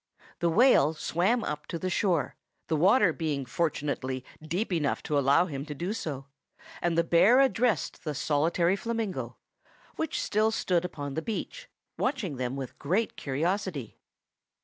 The whale swam up to the shore, the water being fortunately deep enough to allow him to do so, and the bear addressed the solitary flamingo, which still stood upon the beach, watching them with great curiosity.